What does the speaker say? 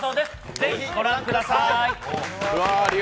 ぜひ御覧ください。